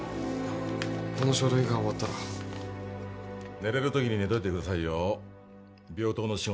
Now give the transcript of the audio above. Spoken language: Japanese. この書類が終わったら寝れるときに寝ておいてください病棟の仕事